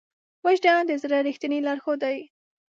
وجدان د زړه ریښتینی لارښود دی.